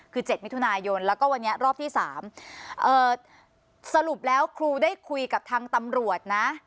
คือ๗มิถุนายนแล้วก็วันนี้รอบที่๓สรุปแล้วครูได้คุยกับทางตำรวจนะ